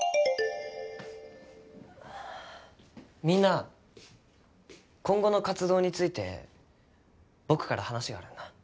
みんな今後の活動について僕から話があるんだ。